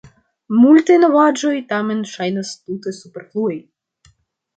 Multaj novaĵoj, tamen, ŝajnas tute superfluaj.